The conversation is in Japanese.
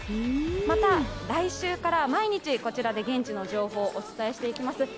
また、来週から毎日現地の情報をお伝えしていきます。